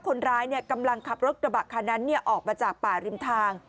คนร้ายกำลังขับรถกระบะคันนั้นออกมาจากป่าริมทาง